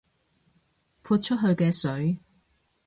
潑出去嘅水